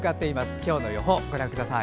今日の予報、ご覧ください。